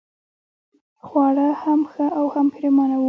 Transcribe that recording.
خواړه هم ښه او هم پرېمانه وو.